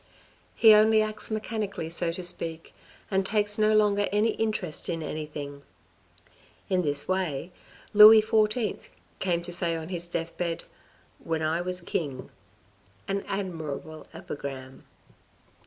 He only acts mechanically so to speak, and takes no longer any interest in anything. In this way, Louis XIV. came to say on his deathbed, " When I was king." An admirable epigram.